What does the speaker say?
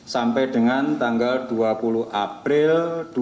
sampai dengan tanggal dua puluh april dua ribu dua puluh